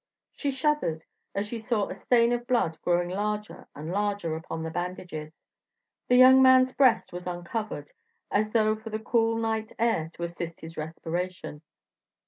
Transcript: She shuddered as she saw a stain of blood growing larger and larger upon the bandages. The young man's breast was uncovered, as though for the cool night air to assist his respiration.